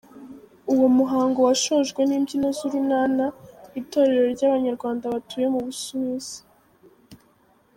Uwo muhango washojwe n’imbyino z’Urunana, itorero ry’Abanyarwanda batuye mu Busuwisi.